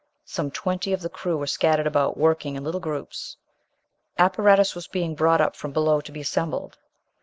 Some twenty of the crew were scattered about, working in little groups. Apparatus was being brought up from below to be assembled.